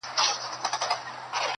هغه شملې ته پیدا سوی سر په کاڼو ولي!.